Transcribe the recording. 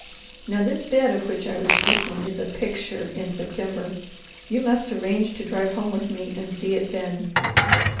Now this bed of which I was speaking is a picture in September. You must arrange to drive home with me and see it then."